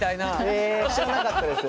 へ知らなかったです。